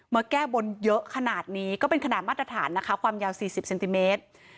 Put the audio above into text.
แก้บนเยอะขนาดนี้ก็เป็นขนาดมาตรฐานนะคะความยาว๔๐เซนติเมตร